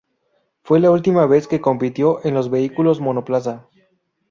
Fue la última vez que compitió en los vehículos monoplaza.